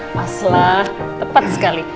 mas lah tepat sekali